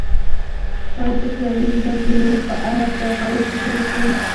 باید د ټولنیزو بدلونونو په اړه په غور فکر وکړو.